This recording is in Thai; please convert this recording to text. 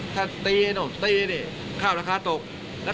ถ้าตีเนอะตีเนี่ยข้าวราคาตก